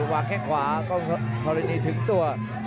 วางแค่ขวากองทรณีถึงตัว